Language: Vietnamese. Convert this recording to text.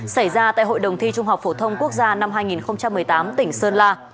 xảy ra tại hội đồng thi trung học phổ thông quốc gia năm hai nghìn một mươi tám tỉnh sơn la